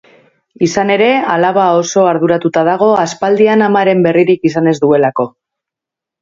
Izan ere, alaba oso arduratuta dago aspaldian amaren berririk izan ez duelako.